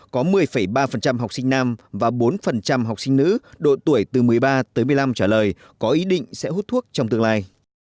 có một mươi ba học sinh nam và bốn học sinh nữ độ tuổi từ một mươi ba tới một mươi năm trả lời có ý định sẽ hút thuốc trong tương lai